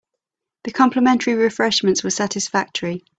The complimentary refreshments were satisfactory.